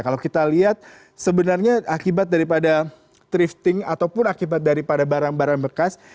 kalau kita lihat sebenarnya akibat daripada thrifting ataupun akibat daripada barang barang bekas